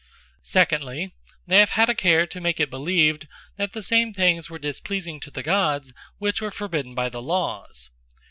Secondly, they have had a care, to make it believed, that the same things were displeasing to the Gods, which were forbidden by the Lawes.